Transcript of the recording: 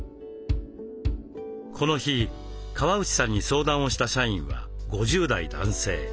この日川内さんに相談をした社員は５０代男性。